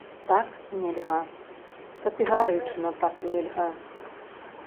Так нельга, катэгарычна так нельга.